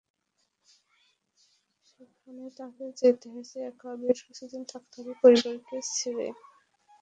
সেখানে তাঁকে যেতে হয়েছে একা, বেশ কিছুদিন থাকতে হবে পরিবারকে ছেড়ে।